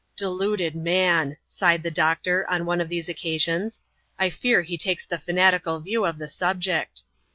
^' Deluded man !" sighed the doctor, on one of these occasi^u^ " I fear he takes l^e fanatical view of the subject."